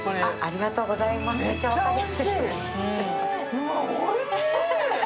うわ、おいしい。